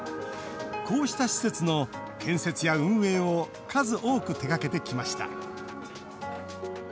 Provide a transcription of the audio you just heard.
こうした施設の建設や運営を数多く手がけてきました。